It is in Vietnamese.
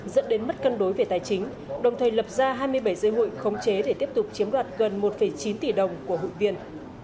dẫn đến mất cân đối về tài chính đồng thời lập ra hai mươi bảy dây hụi khống chế để tiếp tục chiếm đoạt gần một chín tỷ đồng của hụi viên